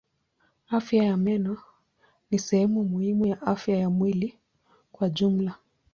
Afya ya meno ni sehemu muhimu ya afya ya mwili kwa jumla.